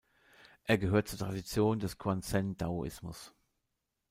Er gehört zur Tradition des Quanzhen-Daoismus.